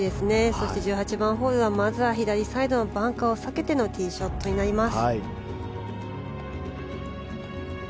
そして１８番ホールはまずは左サイドのバンカーを避けてのティーショットになります。